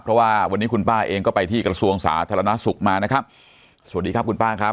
เพราะว่าวันนี้คุณป้าเองก็ไปที่กระทรวงศาสตรนสุขมาสวัสดีครับคุณป้า